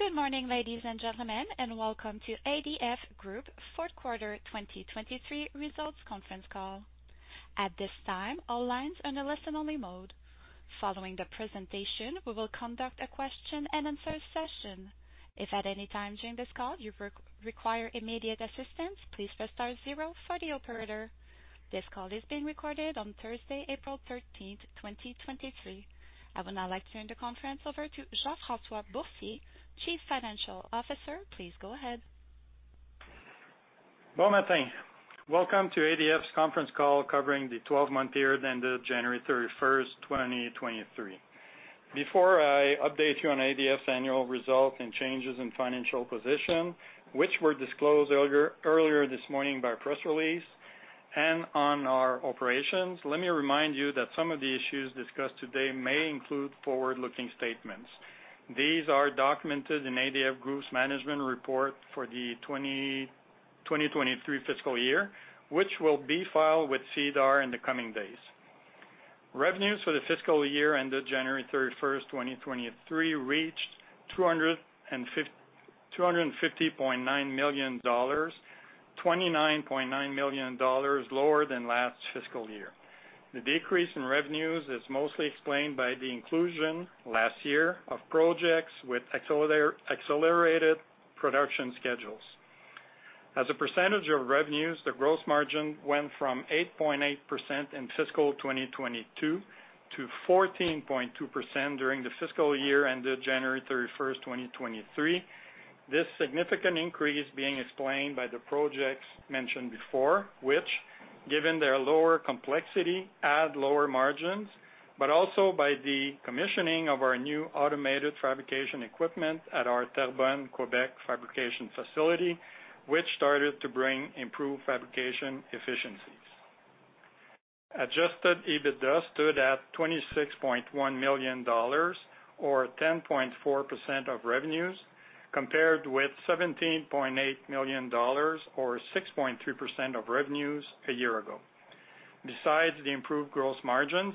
Good morning, ladies and gentlemen, welcome to ADF Group fourth quarter 2023 results conference call. At this time, all lines are in a listen-only mode. Following the presentation, we will conduct a question-and-answer session. If at any time during this call you require immediate assistance, please press star zero for the operator. This call is being recorded on Thursday, April 13th, 2023. I will now like to turn the conference over to Jean-François Boursier, Chief Financial Officer. Please go ahead. Bon matin. Welcome to ADF's conference call covering the 12-month period ended January 31st, 2023. Before I update you on ADF's annual results and changes in financial position, which were disclosed earlier this morning by our press release and on our operations, let me remind you that some of the issues discussed today may include forward-looking statements. These are documented in ADF Group's management report for the 2023 fiscal year, which will be filed with SEDAR in the coming days. Revenues for the fiscal year ended January 31st, 2023 reached 250.9 million dollars, 29.9 million dollars lower than last fiscal year. The decrease in revenues is mostly explained by the inclusion last year of projects with accelerated production schedules. As a percentage of revenues, the gross margin went from 8.8% in fiscal 2022 to 14.2% during the fiscal year ended January 31st, 2023. This significant increase being explained by the projects mentioned before, which, given their lower complexity, add lower margins, but also by the commissioning of our new automated fabrication equipment at our Terrebonne, Quebec fabrication facility, which started to bring improved fabrication efficiencies. Adjusted EBITDA stood at 26.1 million dollars or 10.4% of revenues, compared with 17.8 million dollars or 6.3% of revenues a year ago. Besides the improved gross margins,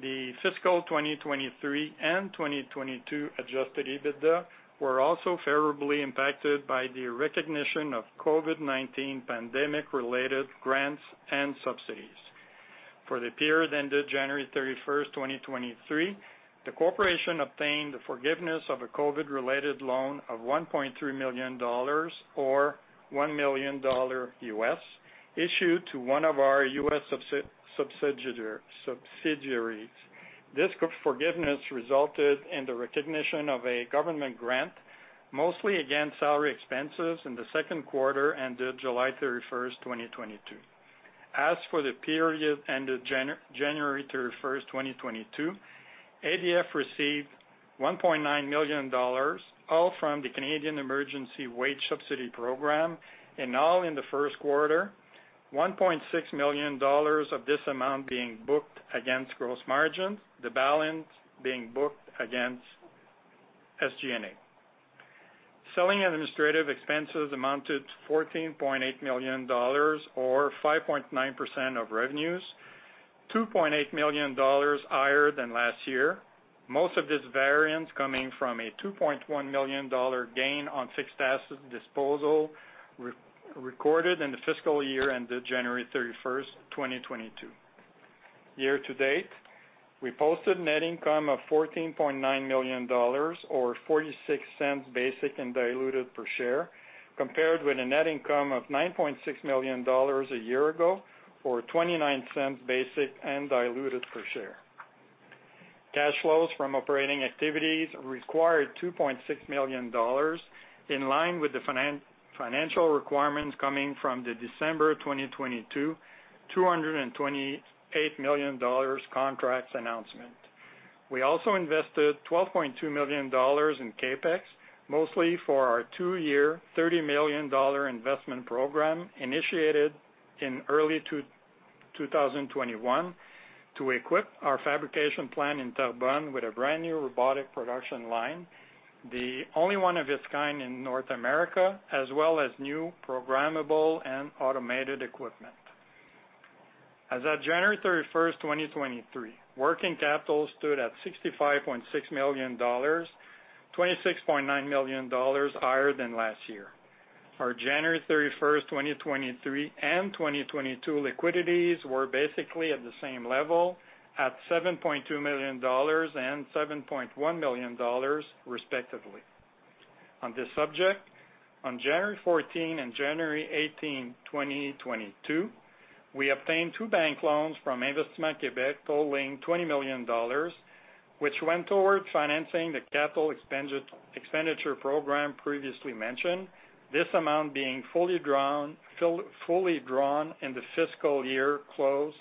the fiscal 2023 and 2022 Adjusted EBITDA were also favorably impacted by the recognition of COVID-19 pandemic-related grants and subsidies. For the period ended January 31st, 2023, the corporation obtained the forgiveness of a COVID-related loan of 1.3 million dollars or $1 million U.S. issued to one of our U.S. subsidiaries. This forgiveness resulted in the recognition of a government grant, mostly against salary expenses in the second quarter ended July 31st, 2022. As for the period ended January 31st, 2022, ADF received 1.9 million dollars, all from the Canadian Emergency Wage Subsidy Program, and all in the first quarter, 1.6 million dollars of this amount being booked against gross margins, the balance being booked against SG&A. Selling and administrative expenses amounted to 14.8 million dollars or 5.9% of revenues, 2.8 million dollars higher than last year. Most of this variance coming from a 2.1 million dollar gain on fixed asset disposal re-recorded in the fiscal year ended January 31st, 2022. Year to date, we posted net income of 14.9 million dollars or 0.46 basic and diluted per share, compared with a net income of 9.6 million dollars a year ago or 0.29 basic and diluted per share. Cash flows from operating activities required 2.6 million dollars, in line with the financial requirements coming from the December 2022, 228 million dollars contracts announcement. We also invested 12.2 million dollars in CapEx, mostly for our two-year, 30 million dollar investment program initiated in early 2021 to equip our fabrication plant in Terrebonne with a brand-new robotic production line, the only one of its kind in North America, as well as new programmable and automated equipment. As of January 31st, 2023, working capital stood at 65.6 million dollars, 26.9 million dollars higher than last year. Our January 31st, 2023 and 2022 liquidities were basically at the same level at 7.2 million dollars and 7.1 million dollars, respectively. On this subject, on January 14 and January 18, 2022, we obtained two bank loans from Investissement Québec totaling 20 million dollars, which went towards financing the capital expenditure program previously mentioned. This amount being fully drawn, fully drawn in the fiscal year closed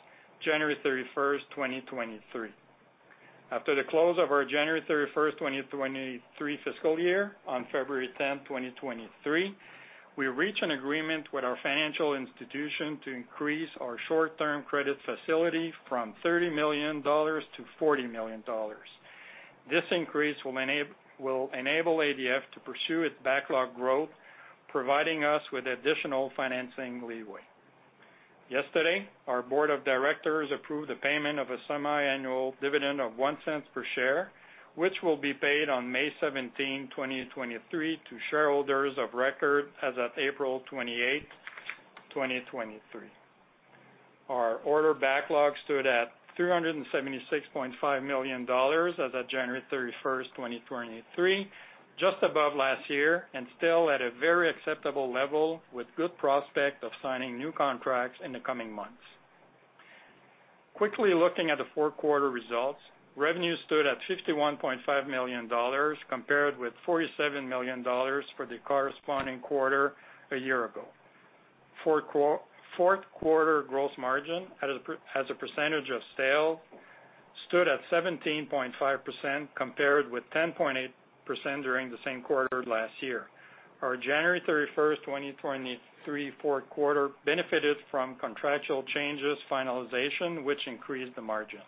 January 31st, 2023. After the close of our January 31st, 2023 fiscal year, on February 10th, 2023, we reached an agreement with our financial institution to increase our short-term credit facility from 30 million-40 million dollars. This increase will enable ADF to pursue its backlog growth, providing us with additional financing leeway. Yesterday, our board of directors approved the payment of a semiannual dividend of 0.01 per share, which will be paid on May 17, 2023 to shareholders of record as of April 28, 2023. Our order backlog stood at 376.5 million dollars as of January 31st, 2023, just above last year and still at a very acceptable level with good prospect of signing new contracts in the coming months. Quickly looking at the fourth quarter results, revenue stood at 51.5 million dollars compared with 47 million dollars for the corresponding quarter a year ago. Fourth quarter gross margin as a percentage of sale stood at 17.5% compared with 10.8% during the same quarter last year. Our January 31st, 2023 fourth quarter benefited from contractual changes finalization, which increased the margin.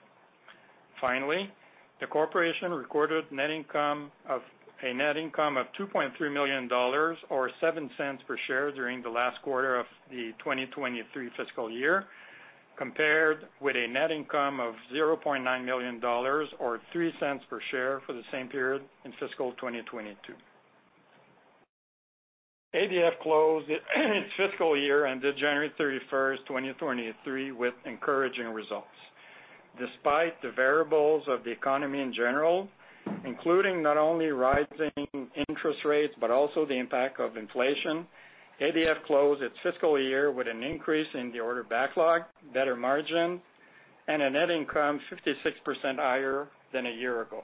The corporation recorded net income of 2.3 million dollars or 0.07 per share during the last quarter of the 2023 fiscal year, compared with a net income of 0.9 million dollars or 0.03 per share for the same period in fiscal 2022. ADF closed its fiscal year on January 31st, 2023 with encouraging results. Despite the variables of the economy in general, including not only rising interest rates but also the impact of inflation, ADF closed its fiscal year with an increase in the order backlog, better margin, and a net income 56% higher than a year ago.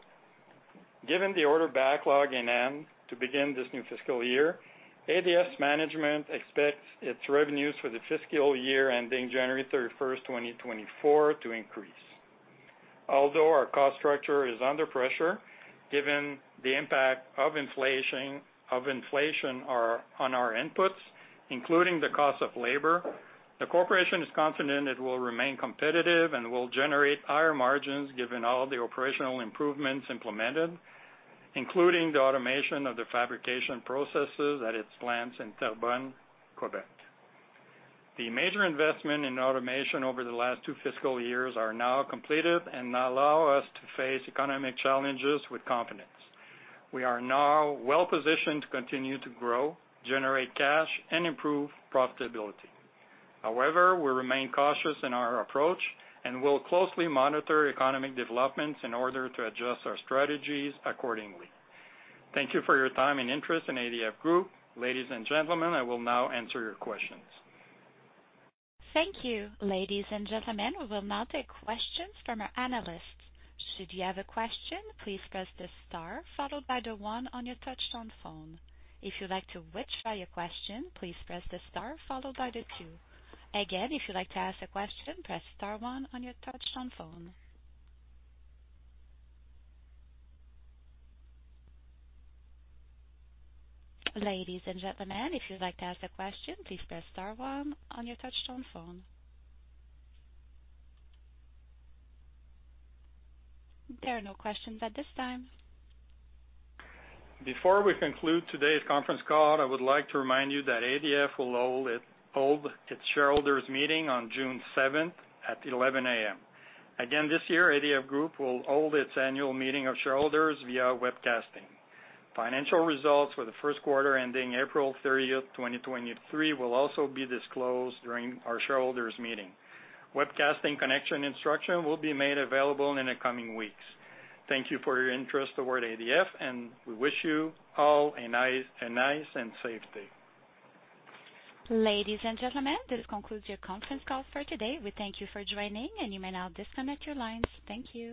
Given the order backlog in end to begin this new fiscal year, ADF's management expects its revenues for the fiscal year ending January 31st, 2024 to increase. Our cost structure is under pressure, given the impact of inflation on our inputs, including the cost of labor, the corporation is confident it will remain competitive and will generate higher margins given all the operational improvements implemented, including the automation of the fabrication processes at its plants in Terrebonne, Quebec. The major investment in automation over the last two fiscal years are now completed and now allow us to face economic challenges with confidence. We are now well-positioned to continue to grow, generate cash and improve profitability. However, we remain cautious in our approach and will closely monitor economic developments in order to adjust our strategies accordingly. Thank you for your time and interest in ADF Group. Ladies and gentlemen, I will now answer your questions. Thank you. Ladies and gentlemen, we will now take questions from our analysts. Should you have a question, please press the star followed by the one on your touchtone phone. If you'd like to withdraw your question, please press the star followed by the two. Again, if you'd like to ask a question, press star one on your touchtone phone. Ladies and gentlemen, if you'd like to ask a question, please press star one on your touchtone phone. There are no questions at this time. Before we conclude today's conference call, I would like to remind you that ADF will hold its shareholders meeting on June 7th at 11:00 A.M. Again, this year, ADF Group will hold its annual meeting of shareholders via webcasting. Financial results for the first quarter ending April 30th, 2023 will also be disclosed during our shareholders meeting. Webcasting connection instruction will be made available in the coming weeks. Thank you for your interest toward ADF. We wish you all a nice and safe day. Ladies and gentlemen, this concludes your conference call for today. We thank you for joining, and you may now disconnect your lines. Thank you.